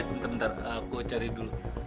bentar bentar aku cari dulu